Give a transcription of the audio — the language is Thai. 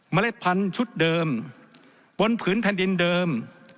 เล็ดพันธุ์ชุดเดิมบนผืนแผ่นดินเดิม